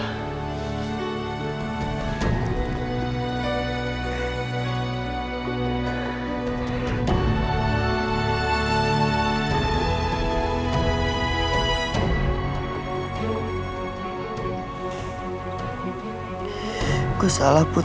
hai gue salah put